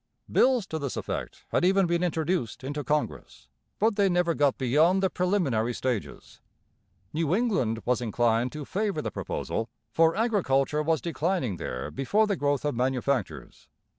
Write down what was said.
Bills to this effect had even been introduced into Congress; but they never got beyond the preliminary stages. New England was inclined to favour the proposal, for agriculture was declining there before the growth of manufactures.